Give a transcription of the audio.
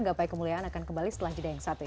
gapai kemuliaan akan kembali setelah jeda yang satu ini